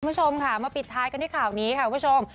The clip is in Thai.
คุณผู้ชมค่ะมาปิดท้ายกันที่ข่าวนี้ค่ะคุณผู้ชม